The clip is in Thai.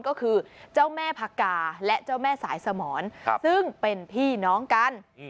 ก็คือเจ้าแม่พักกาและเจ้าแม่สายสมรซึ่งเป็นพี่น้องกัน